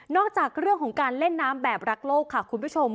จากเรื่องของการเล่นน้ำแบบรักโลกค่ะคุณผู้ชม